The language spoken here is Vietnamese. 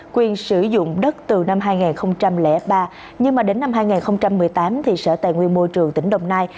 quyền sử dụng đất từ năm hai nghìn ba nhưng mà đến năm hai nghìn một mươi tám thì sở tài nguyên môi trường tỉnh đồng nai